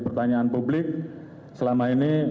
pertanyaan publik selama ini